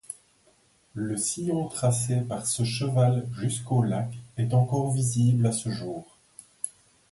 Le sillon tracé par ce cheval jusqu'au lac est encore visible à ce jour.